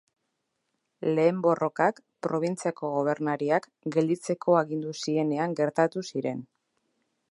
Lehen borrokak, probintziako gobernariak, gelditzeko agindu zienean gertatu ziren.